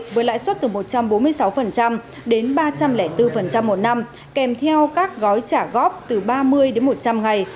với lãi suất từ một trăm bốn mươi sáu đến ba trăm linh bốn một năm kèm theo các gói trả góp từ ba mươi đến một trăm linh ngày